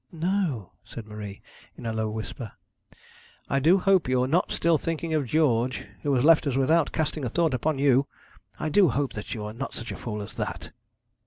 'No,' said Marie, in a low whisper. 'I do hope you're not still thinking of George, who has left us without casting a thought upon you. I do hope that you are not such a fool as that.'